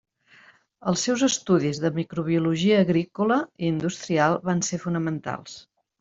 Els seus estudis de microbiologia agrícola i industrial van ser fonamentals.